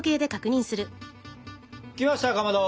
きましたかまど！